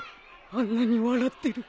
あんなに笑ってる